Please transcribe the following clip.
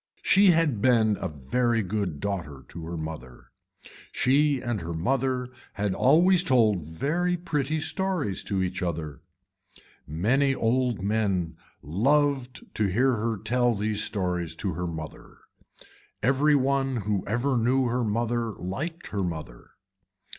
She had been a very good daughter to her mother. She and her mother had always told very pretty stories to each other. Many old men loved to hear her tell these stories to her mother. Every one who ever knew her mother liked her mother.